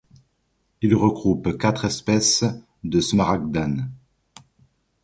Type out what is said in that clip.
Il regroupe quatre espèces de smaragdans.